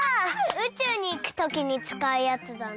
うちゅうにいくときにつかうやつだな。